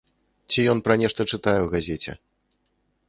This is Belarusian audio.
Ці ён пра нешта чытае ў газеце.